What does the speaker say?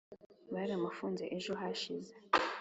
baramufunze ejo hashize